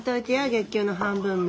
月給の半分も。